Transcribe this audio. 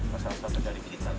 masalah satu dari kita